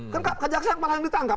kan kejaksaan malah yang ditangkap